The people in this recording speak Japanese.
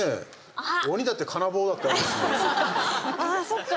あーそっか。